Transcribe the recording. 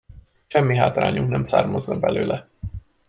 Semmi hátrányunk nem származna belőle.